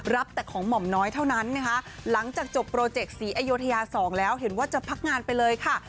แต่ของหม่อมน้อยเท่านั้นนะคะหลังจากจบโปรเจกต์ศรีอยุธยา๒แล้วเห็นว่าจะพักงานไปเลยค่ะ